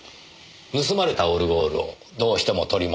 盗まれたオルゴールをどうしても取り戻したい。